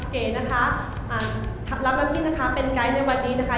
เก๋นะคะอ่ารับรับทิ้งนะคะเป็นไกด์ในวันนี้นะคะ